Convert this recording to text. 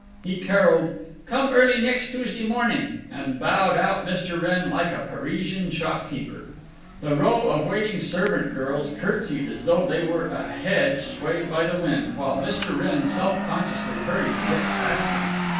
He caroled, "Come early next Tuesday morning, "and bowed out Mr. Wrenn like a Parisian shopkeeper. The row of waiting servant girls curtsied as though they were a hedge swayed by the wind, while Mr. Wrenn self consciously hurried to get past them.